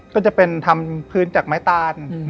ก็จะเป็นทำพื้นจากไม้ตาน